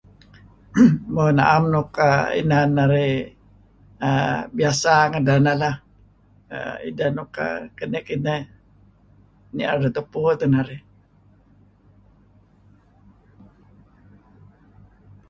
um naam luk inan narih um biasa um ngedeh neh leh ideh nuk kineh kineh ni'er dah tupu teh arih